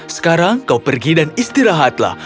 sekarang kau pergi dan istirahatlah